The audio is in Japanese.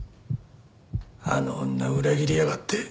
あの女裏切りやがって。